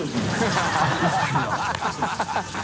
ハハハ